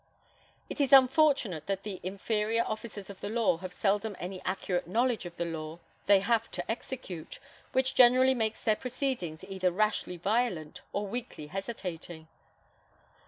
It is unfortunate that the inferior officers of the law have seldom any accurate knowledge of the law they have to execute, which generally makes their proceedings either rashly violent or weakly hesitating.